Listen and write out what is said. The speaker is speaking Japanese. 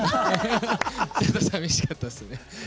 ちょっと、さびしかったですね。